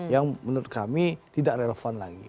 yang menurut kami tidak relevan lagi